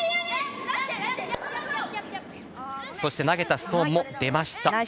投げたストーンも出ました。